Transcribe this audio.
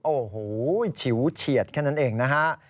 โอ้โหฉิวเฉียดแค่นั้นเองนะฮะ